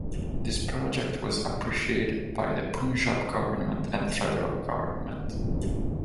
This project was appreciated by the Punjab Government and Federal Government.